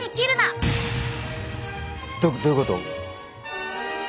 どどういうこと？